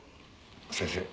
先生